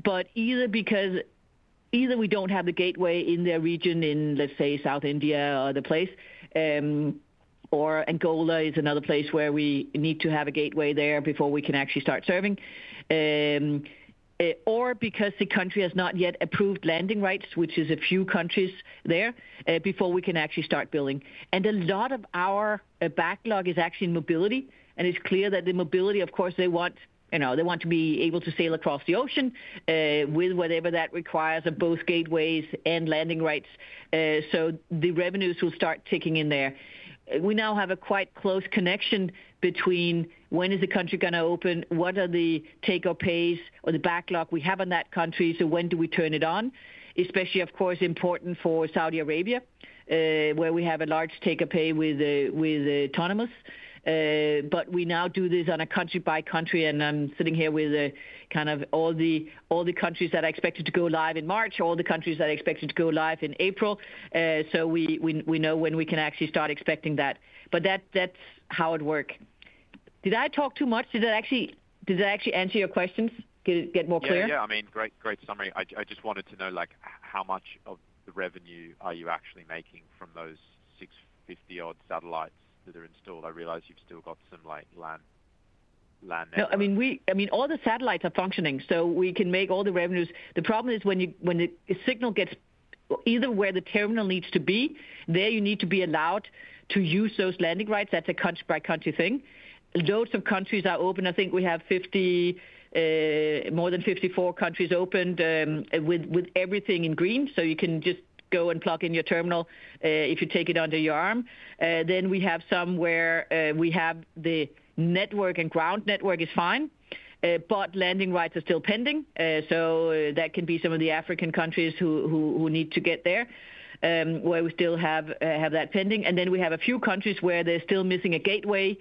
But either we don't have the gateway in their region, let's say, South India or other place. Or Angola is another place where we need to have a gateway there before we can actually start serving. or because the country has not yet approved landing rights, which is a few countries there, before we can actually start building. And a lot of our backlog is actually in mobility, and it's clear that the mobility, of course, they want, you know, they want to be able to sail across the ocean, with whatever that requires of both gateways and landing rights. So the revenues will start ticking in there. We now have a quite close connection between when is the country gonna open? What are the take-up pays or the backlog we have in that country, so when do we turn it on? Especially, of course, important for Saudi Arabia, where we have a large take-up pay with the, with the Tonomus. But we now do this on a country-by-country, and I'm sitting here with a kind of all the countries that are expected to go live in March, all the countries that are expected to go live in April. So we know when we can actually start expecting that. But that's how it work. Did I talk too much? Did I actually answer your questions? Did it get more clear? Yeah, yeah. I mean, great, great summary. I just wanted to know, like, how much of the revenue are you actually making from those 650-odd satellites that are installed? I realize you've still got some, like, LAN network. No, I mean, we—I mean, all the satellites are functioning, so we can make all the revenues. The problem is when you, when the signal gets, either where the terminal needs to be, there you need to be allowed to use those landing rights. That's a country-by-country thing. Loads of countries are open. I think we have 50, more than 54 countries opened, with everything in green, so you can just go and plug in your terminal, if you take it under your arm. Then we have some where we have the network and ground network is fine, but landing rights are still pending. So that can be some of the African countries who need to get there, where we still have that pending. Then we have a few countries where they're still missing a gateway.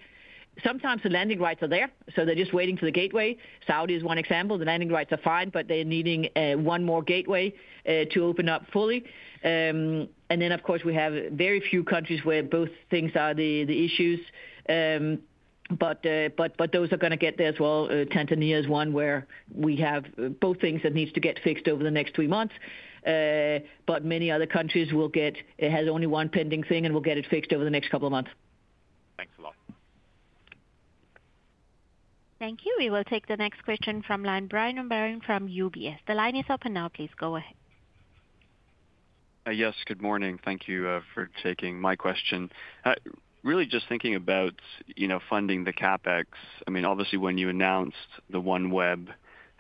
Sometimes the landing rights are there, so they're just waiting for the gateway. Saudi is one example. The landing rights are fine, but they're needing one more gateway to open up fully. And then, of course, we have very few countries where both things are the issues. But those are gonna get there as well. Tanzania is one where we have both things that needs to get fixed over the next three months. But many other countries will get... It has only one pending thing, and we'll get it fixed over the next couple of months. Thanks a lot. Thank you. We will take the next question from line. Brian Egarin from UBS. The line is open now. Please go ahead. Yes, good morning. Thank you for taking my question. Really just thinking about, you know, funding the CapEx. I mean, obviously, when you announced the OneWeb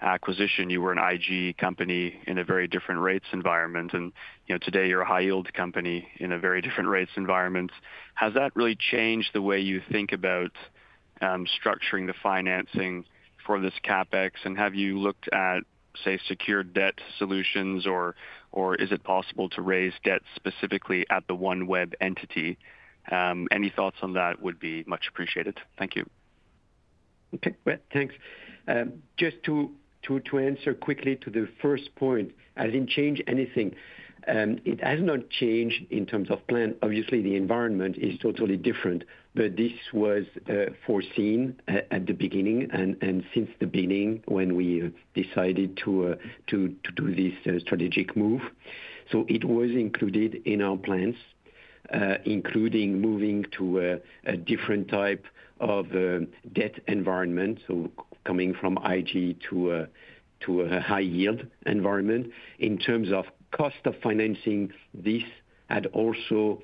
acquisition, you were an IG company in a very different rates environment, and, you know, today you're a high-yield company in a very different rates environment. Has that really changed the way you think about structuring the financing for this CapEx? And have you looked at, say, secured debt solutions or, or is it possible to raise debt specifically at the OneWeb entity? Any thoughts on that would be much appreciated. Thank you. Okay, well, thanks. Just to answer quickly to the first point, I didn't change anything. It has not changed in terms of plan. Obviously, the environment is totally different, but this was foreseen at the beginning and since the beginning when we decided to do this strategic move. So it was included in our plans, including moving to a different type of debt environment, so coming from IG to a high-yield environment. In terms of cost of financing, this had also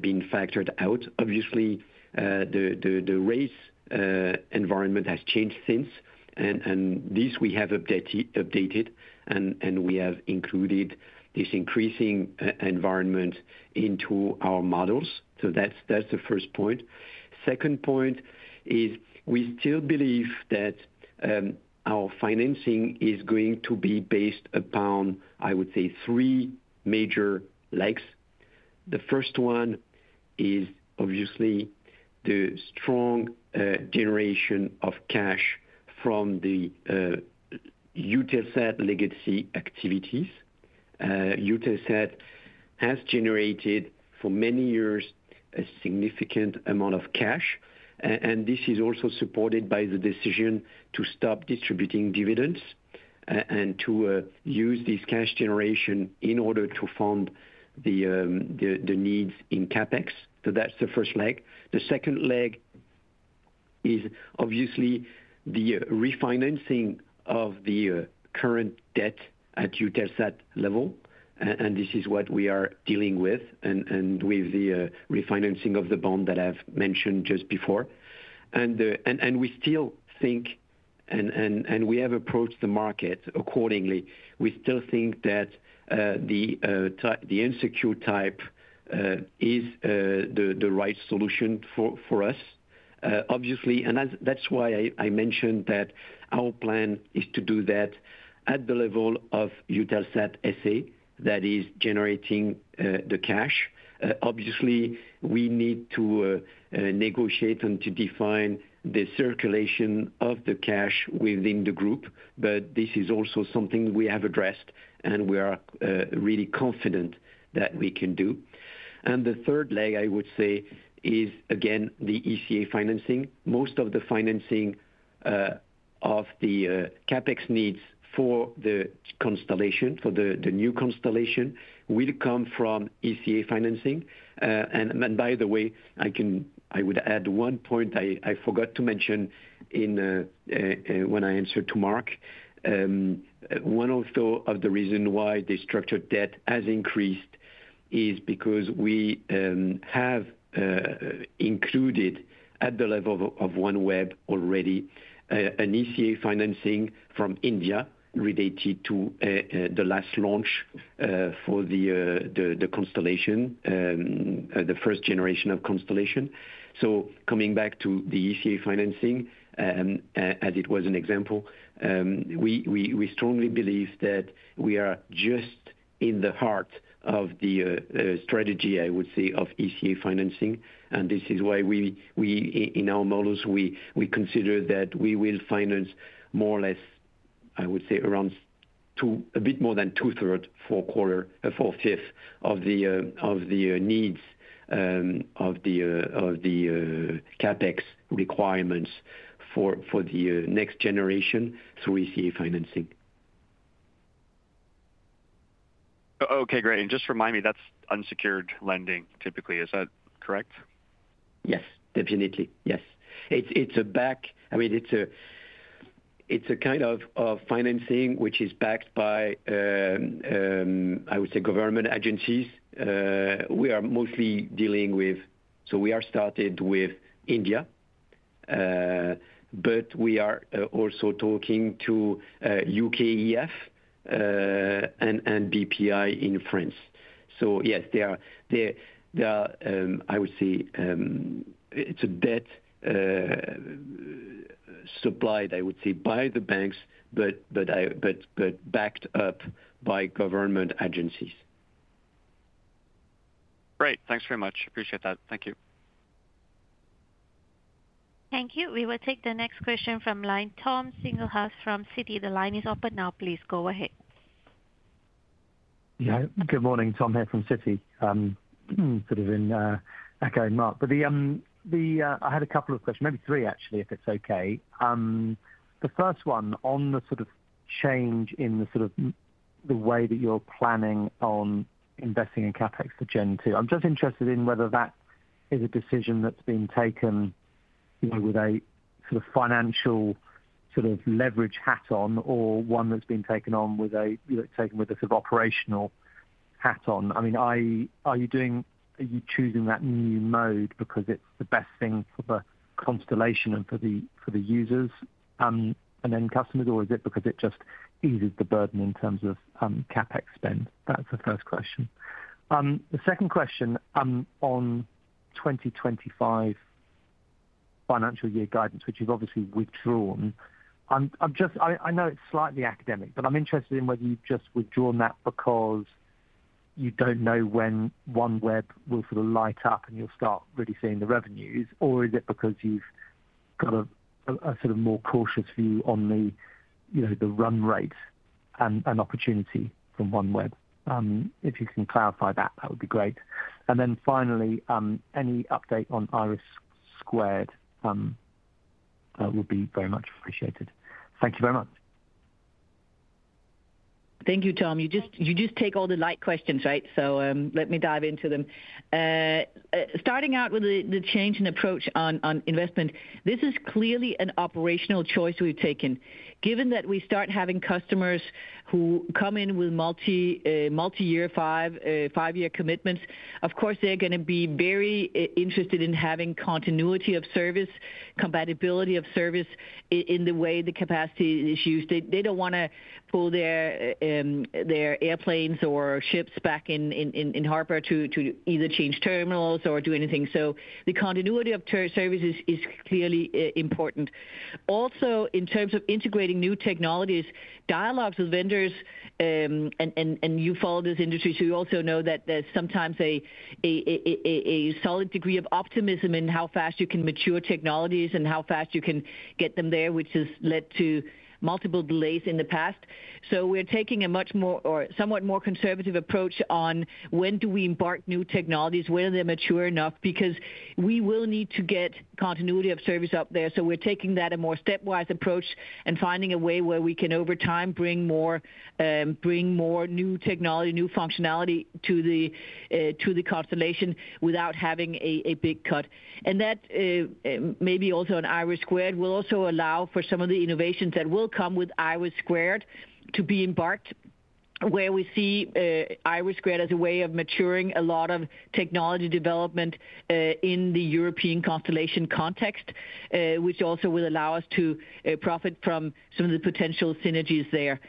been factored out. Obviously, the rates environment has changed since, and this we have updated, and we have included this increasing environment into our models. So that's the first point. Second point is we still believe that, our financing is going to be based upon, I would say, three major legs. The first one is obviously the strong generation of cash from the Eutelsat legacy activities. Eutelsat has generated for many years a significant amount of cash, and this is also supported by the decision to stop distributing dividends and to use this cash generation in order to fund the needs in CapEx. So that's the first leg. The second leg is obviously the refinancing of the current debt at Eutelsat level, and this is what we are dealing with and with the refinancing of the bond that I've mentioned just before. And we still think and we have approached the market accordingly. We still think that the unsecured type is the right solution for us. Obviously, and that's why I mentioned that. Our plan is to do that at the level of Eutelsat SA, that is generating the cash. Obviously, we need to negotiate and to define the circulation of the cash within the group, but this is also something we have addressed, and we are really confident that we can do. And the third leg, I would say, is again, the ECA financing. Most of the financing of the CapEx needs for the constellation, for the new constellation, will come from ECA financing. And then by the way, I would add one point I forgot to mention when I answered to Mark. One of the reasons why the structured debt has increased is because we have included at the level of OneWeb already an ECA financing from India related to the last launch for the constellation, the first generation of constellation. So coming back to the ECA financing, as it was an example, we strongly believe that we are just in the heart of the strategy, I would say, of ECA financing, and this is why we, in our models, we consider that we will finance more or less, I would say, around two-thirds, three-quarters, four-fifths of the CapEx requirements for the next generation through ECA financing. Okay, great. And just remind me, that's unsecured lending, typically. Is that correct? Yes, definitely. Yes. It's, I mean, it's a kind of financing, which is backed by, I would say, government agencies. We are mostly dealing with... So we started with India, but we are also talking to UKEF and BPI in France. So yes, they are, I would say, it's a debt supplied, I would say, by the banks, but backed up by government agencies. Great. Thanks very much. Appreciate that. Thank you. Thank you. We will take the next question from line. Tom Singlehurst from Citi. The line is open now. Please go ahead. Yeah. Good morning, Tom here from Citi. Sort of in echoing Mark, but I had a couple of questions, maybe three, actually, if it's okay. The first one on the sort of change in the sort of the way that you're planning on investing in CapEx for Gen2. I'm just interested in whether that is a decision that's been taken, you know, with a sort of financial, sort of leverage hat on, or one that's been taken, you know, with a sort of operational hat on. I mean, are you choosing that new mode because it's the best thing for the constellation and for the users, and then customers, or is it because it just eases the burden in terms of CapEx spend? That's the first question. The second question, on 2025 financial year guidance, which you've obviously withdrawn. I'm just... I know it's slightly academic, but I'm interested in whether you've just withdrawn that because you don't know when OneWeb will sort of light up and you'll start really seeing the revenues, or is it because you've got a sort of more cautious view on the, you know, the run rate and opportunity from OneWeb? If you can clarify that, that would be great. And then finally, any update on IRIS² would be very much appreciated. Thank you very much. Thank you, Tom. You just take all the light questions, right? So, let me dive into them. Starting out with the change in approach on investment, this is clearly an operational choice we've taken. Given that we start having customers who come in with multi-year five-year commitments, of course, they're gonna be very interested in having continuity of service, compatibility of service in the way the capacity is used. They don't want to pull their airplanes or ships back in harbor to either change terminals or do anything. So the continuity of services is clearly important. Also, in terms of integrating new technologies, dialogues with vendors, and you follow this industry, so you also know that there's sometimes a solid degree of optimism in how fast you can mature technologies and how fast you can get them there, which has led to multiple delays in the past. So we're taking a much more or somewhat more conservative approach on when do we embark new technologies? When are they mature enough? Because we will need to get continuity of service up there. So we're taking that a more stepwise approach and finding a way where we can, over time, bring more, bring more new technology, new functionality to the, to the constellation without having a big cut. That maybe also on IRIS² will also allow for some of the innovations that will come with IRIS² to be embarked where we see IRIS² as a way of maturing a lot of technology development in the European constellation context, which also will allow us to profit from some of the potential synergies there.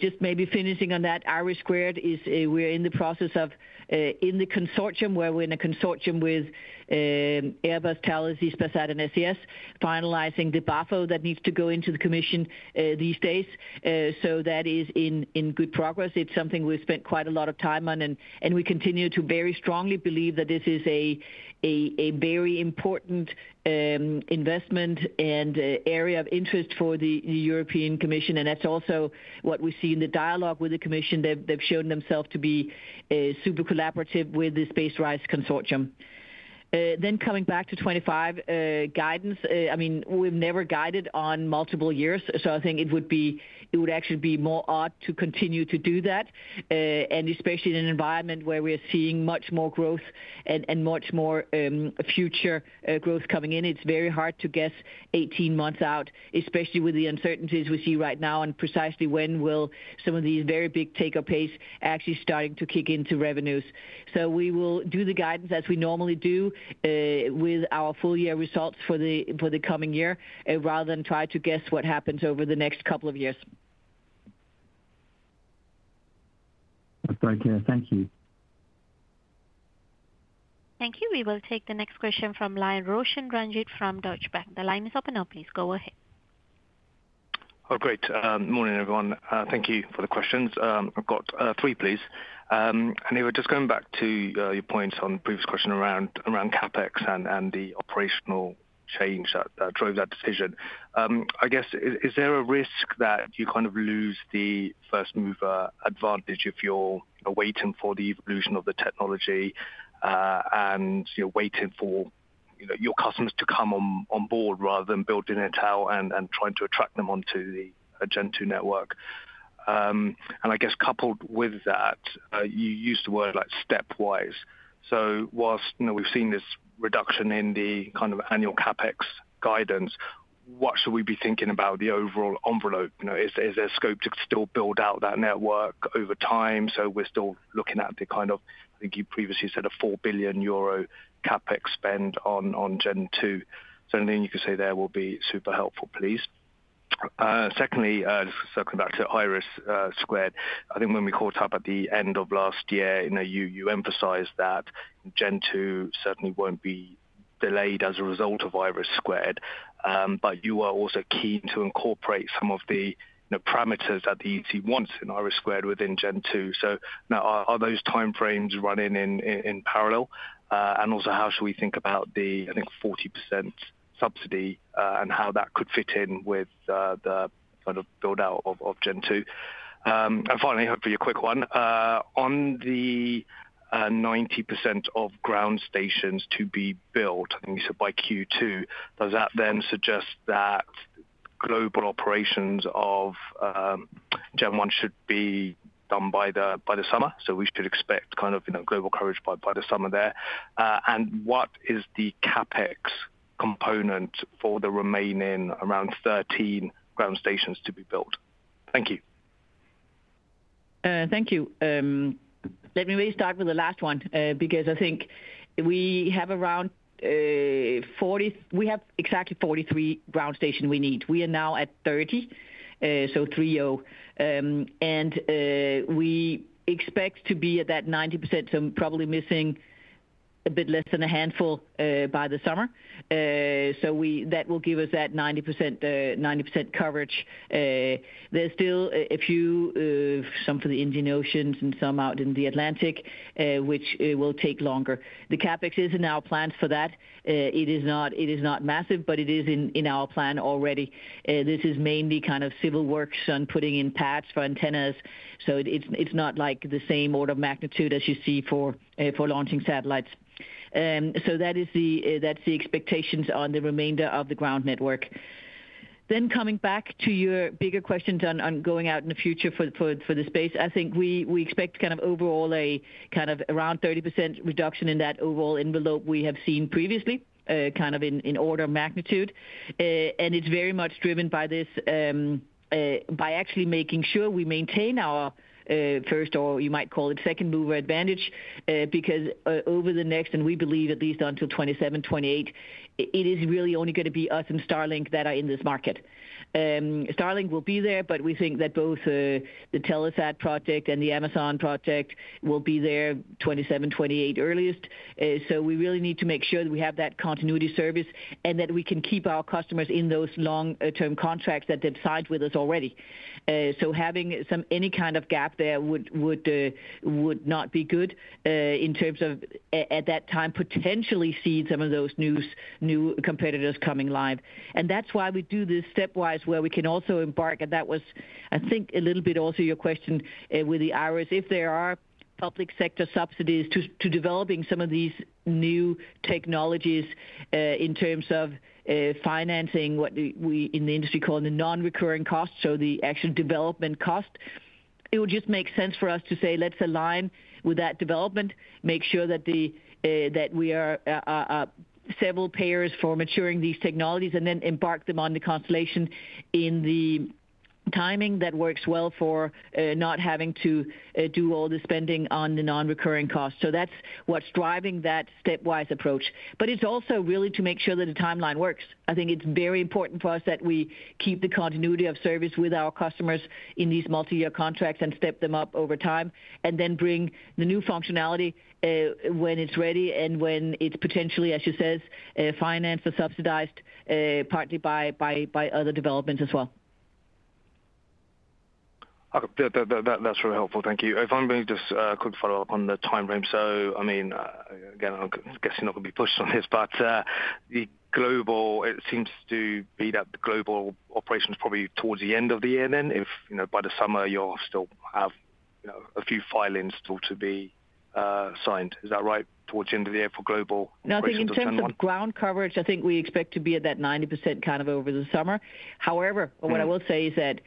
Just maybe finishing on that, IRIS², we're in the process of, in the consortium, where we're in a consortium with Airbus, Thales, Hispasat, and SES, finalizing the BAFO that needs to go into the commission these days. That is in good progress. It's something we've spent quite a lot of time on, and we continue to very strongly believe that this is a very important investment and area of interest for the European Commission, and that's also what we see in the dialogue with the commission. They've shown themselves to be super collaborative with the SpaceRISE consortium. Then coming back to 25 guidance. I mean, we've never guided on multiple years, so I think it would actually be more odd to continue to do that, and especially in an environment where we're seeing much more growth and much more future growth coming in. It's very hard to guess 18 months out, especially with the uncertainties we see right now and precisely when will some of these very big take-up pace actually starting to kick into revenues. So we will do the guidance as we normally do, with our full year results for the coming year, rather than try to guess what happens over the next couple of years. Thank you. Thank you. Thank you. We will take the next question from line, Roshan Ranjit from Deutsche Bank. The line is open now. Please go ahead. Oh, great, morning, everyone. Thank you for the questions. I've got three, please. And even just going back to your point on previous question around CapEx and the operational change that drove that decision. I guess, is there a risk that you kind of lose the first-mover advantage if you're awaiting for the evolution of the technology, and you're waiting for, you know, your customers to come on board rather than building a tower and trying to attract them onto the Gen2 network? And I guess coupled with that, you used the word, like, stepwise. So whilst, you know, we've seen this reduction in the kind of annual CapEx guidance, what should we be thinking about the overall envelope? You know, is there scope to still build out that network over time? So we're still looking at the kind of, I think you previously said a 4 billion euro CapEx spend on, on Gen2. So anything you can say there will be super helpful, please. Secondly, circling back to IRIS², I think when we caught up at the end of last year, you know, you, you emphasized that Gen2 certainly won't be delayed as a result of IRIS². But you are also keen to incorporate some of the parameters that the EC wants in IRIS² within Gen2. So now are, are those time frames running in, in, in parallel? And also, how should we think about the, I think, 40% subsidy, and how that could fit in with, the kind of build-out of, of Gen2? And finally, hopefully a quick one. On the 90% of ground stations to be built, I think you said by Q2, does that then suggest that global operations of Gen1 should be done by the, by the summer? So we should expect kind of, you know, global coverage by, by the summer there. And what is the CapEx component for the remaining around 13 ground stations to be built? Thank you. Thank you. Let me really start with the last one, because I think we have around, forty... We have exactly 43 ground station we need. We are now at 30, so 30. And, we expect to be at that 90%, so probably missing a bit less than a handful, by the summer. So we-- that will give us that 90%, 90% coverage. There's still a, a few, some for the Indian Ocean and some out in the Atlantic, which, will take longer. The CapEx is in our plans for that. It is not, it is not massive, but it is in, in our plan already. This is mainly kind of civil works on putting in pads for antennas. So it's not like the same order of magnitude as you see for launching satellites. So that is the, that's the expectations on the remainder of the ground network. Then coming back to your bigger questions on going out in the future for the space. I think we expect kind of overall a kind of around 30% reduction in that overall envelope we have seen previously, kind of in order of magnitude. And it's very much driven by this, by actually making sure we maintain our first, or you might call it, second mover advantage, because over the next, and we believe at least until 2027, 2028, it is really only gonna be us and Starlink that are in this market. Starlink will be there, but we think that both, the Telesat project and the Amazon project will be there 2027-2028 earliest. So we really need to make sure that we have that continuity service and that we can keep our customers in those long-term contracts that they've signed with us already. So having some, any kind of gap there would not be good, in terms of at that time, potentially see some of those new competitors coming live. And that's why we do this stepwise, where we can also embark, and that was, I think, a little bit also your question, with the IRIS. If there are public sector subsidies to developing some of these new technologies, in terms of financing what we in the industry call the non-recurring costs, so the actual development cost, it would just make sense for us to say, let's align with that development, make sure that we are civil payers for maturing these technologies and then embark them on the constellation in the timing that works well for not having to do all the spending on the non-recurring costs. So that's what's driving that stepwise approach. But it's also really to make sure that the timeline works. I think it's very important for us that we keep the continuity of service with our customers in these multi-year contracts and step them up over time, and then bring the new functionality, when it's ready and when it's potentially, as you said, financed or subsidized, partly by other developments as well. That's really helpful. Thank you. If I may just, quick follow-up on the timeframe. So, I mean, again, I'm guessing you're not gonna be pushed on this, but, the global-- it seems to be that the global operations probably towards the end of the year then, if, you know, by the summer, you'll still have, you know, a few filings still to be, signed. Is that right? Towards the end of the year for global operations? No, I think in terms of ground coverage, I think we expect to be at that 90% kind of over the summer. However- Right. What I will say is that,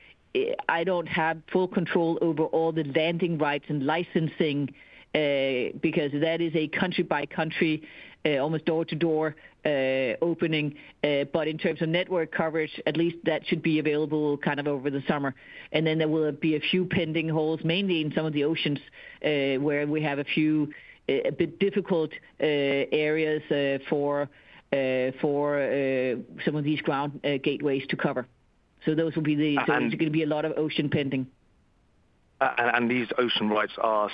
I don't have full control over all the landing rights and licensing, because that is a country-by-country, almost door-to-door, opening. But in terms of network coverage, at least that should be available kind of over the summer. And then there will be a few pending holes, mainly in some of the oceans, where we have a few, a bit difficult areas, for some of these ground gateways to cover. So those will be the- Understood. There's gonna be a lot of ocean pending. These ocean rights are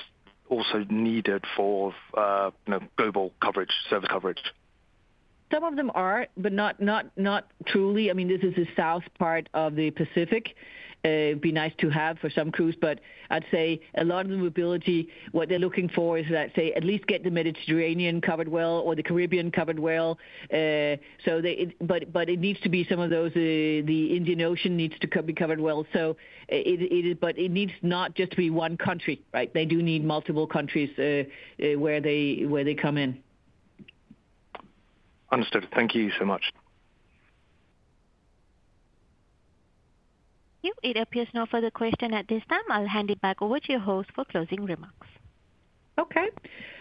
also needed for, you know, global coverage, service coverage? Some of them are, but not, not, not truly. I mean, this is the south part of the Pacific. It'd be nice to have for some cruise, but I'd say a lot of the mobility, what they're looking for is, let's say, at least get the Mediterranean covered well, or the Caribbean covered well. So they... But it needs to be some of those, the Indian Ocean needs to be covered well. So it... But it needs not just to be one country, right? They do need multiple countries, where they come in. Understood. Thank you so much. Yep. It appears no further question at this time. I'll hand it back over to your host for closing remarks. Okay.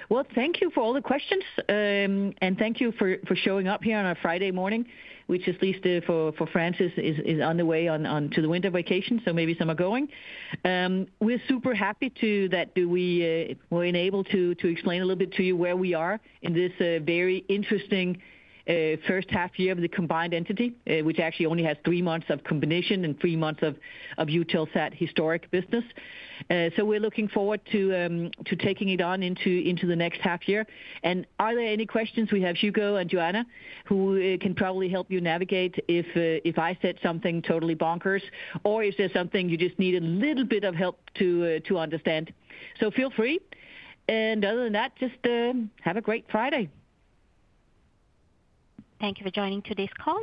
Well, thank you for all the questions, and thank you for showing up here on a Friday morning, which at least for France, is on the way to the winter vacation, so maybe some are going. We're super happy that we were able to explain a little bit to you where we are in this very interesting first half year of the combined entity. Which actually only has three months of combination and three months of Eutelsat historic business. So we're looking forward to taking it on into the next half year. And are there any questions? We have Hugo and Joanna, who can probably help you navigate if I said something totally bonkers, or if there's something you just need a little bit of help to understand. So feel free, and other than that, just have a great Friday. Thank you for joining today's call.